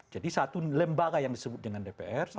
jadi satu lembaga yang disebut dengan dpr